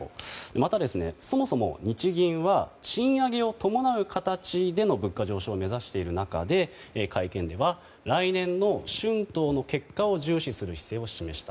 またそもそも日銀は賃上げを伴う形での物価上昇を目指している中で会見では来年の春闘の結果を重視する姿勢を示した。